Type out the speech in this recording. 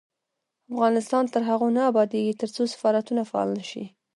افغانستان تر هغو نه ابادیږي، ترڅو سفارتونه فعال نشي.